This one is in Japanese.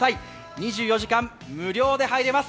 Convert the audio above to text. ２４時間無料で入れます。